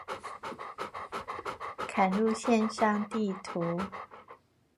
嵌入線上地圖